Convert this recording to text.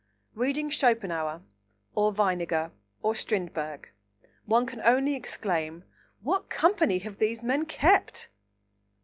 Reading Schopenhauer, or Weininger, or Strindberg, one can only exclaim, "What company have these men kept!"